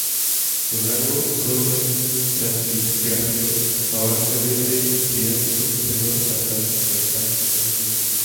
Su rango cronoestratigráfico abarca desde el Triásico superior hasta el Cretácico inferior.